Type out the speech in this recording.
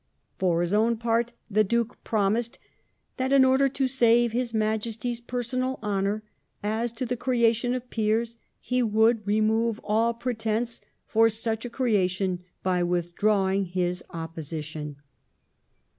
For his own part the Duke promised that " in order to save His Majesty's personal honour as to the creation of Peers ... he would ... remove all pretence for such a creation by withdrawing his opposition